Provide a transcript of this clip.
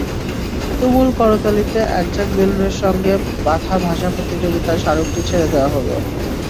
তুমুল করতালিতে একঝাঁক বেলুনের সঙ্গে বাঁধা ভাষা প্রতিযোগের স্মারকটি ছেড়ে দেওয়া হলো।